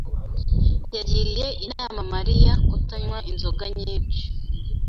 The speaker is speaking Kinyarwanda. yagiriye inama Mariya kutanywa inzoga nyinshi.